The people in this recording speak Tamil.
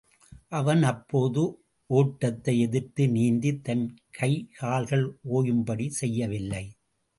அவன் அப்போது ஓட்டத்தை எதிர்த்து நீந்தித் தன் கைகால்கள் ஒயும்படி செய்யவில்லை.